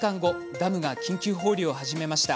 ダムが緊急放流を始めました。